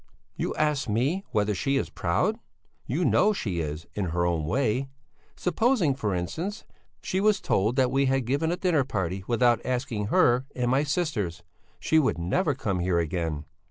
"You ask me whether she is proud? You know; she is, in her own way. Supposing, for instance, she was told that we had given a dinner party without asking her and my sisters, she would never come here again."